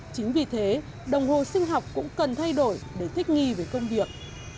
chính vì thế đồng hồ sinh học cũng cần thay đổi để thích nghi với công việc